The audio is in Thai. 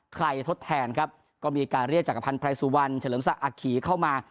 ทดแทนครับก็มีการเรียกจักรพันธ์ไพรสุวรรณเฉลิมศักดิ์ขี่เข้ามา